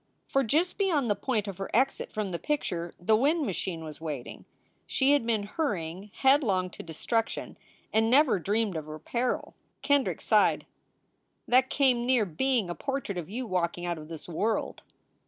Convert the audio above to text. For just beyond the point of her exit from the picture the wind machine was waiting. She had been hurry ing headlong to destruction and never dreamed of her peril. SOULS FOR SALE 313 Kendrick sighed, "That came near being a portrait of you walking out of this world."